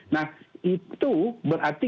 nah itu berarti